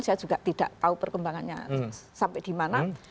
saya juga tidak tahu perkembangannya sampai di mana